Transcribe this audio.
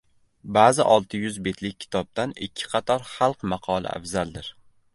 Ba’zi olti yuz betlik kitobdan ikki qator xalq maqoli afzaldir.